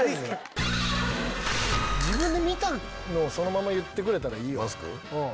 自分で見たのをそのまま言ってくれたらいいよ。